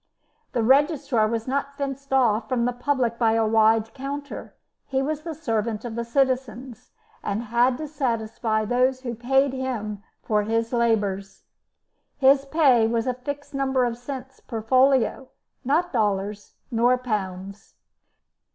The registrar was not fenced off from the public by a wide counter; he was the servant of the citizens, and had to satisfy those who paid him for his labours. His pay was a fixed number of cents per folio, not dollars, nor pounds.